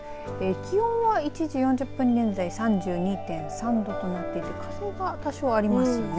気温は１時４０分現在３２．３度となっていて風が多少ありますね。